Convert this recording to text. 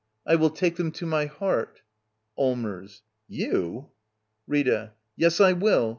I will take them to my heart. Allmers. You J Rita. Yes, I will